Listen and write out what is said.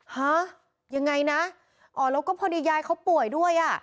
ฮะยังไงนะอ๋อแล้วก็พอดียายเขาป่วยด้วยอ่ะ